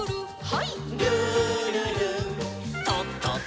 はい。